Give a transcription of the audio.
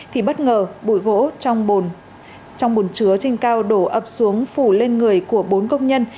thì bất ngờ bụi gỗ trong bồn chứa trên cao đổ ập xuống phủ lên người của bốn công nhân